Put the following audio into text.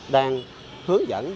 đang hướng dẫn